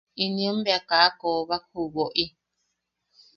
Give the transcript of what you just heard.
Inien bea kaa a koobak ju woʼi.